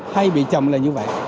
hay bị chậm là như vậy